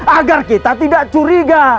agar kita tidak curiga